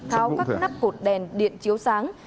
tháo các nắp cột đèn điện chiếu sáng